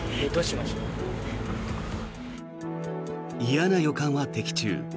嫌な予感は的中。